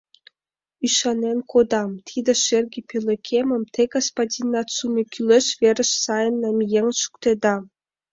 Ӱшанен кодам: тиде шерге пӧлекемым те, господин Нацуме, кӱлеш верыш сайын намиен шуктеда.